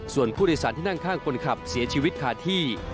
ส่วนผู้โดยสารที่นั่งข้างคนขับเสียชีวิตขาดที่